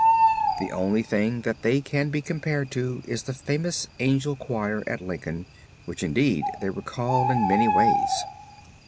The only thing that they can be compared with is the famous Angel Choir at Lincoln which indeed they recall in many ways.